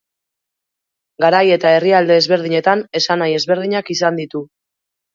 Garai eta herrialde ezberdinetan esanahi ezberdinak izan ditu.